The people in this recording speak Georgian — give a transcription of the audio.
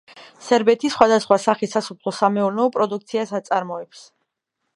სერბეთი სხვადასხვა სახის სასოფლო-სამეურნეო პროდუქციას აწარმოებს.